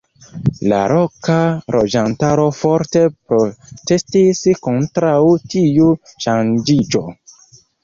La loka loĝantaro forte protestis kontraŭ tiu ŝanĝiĝo.